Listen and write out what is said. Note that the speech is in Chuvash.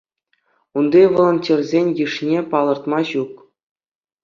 Унти волонтерсен йышне палӑртма ҫук.